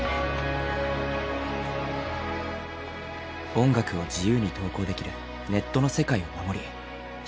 音楽を自由に投稿できるネットの世界を守り広めたい。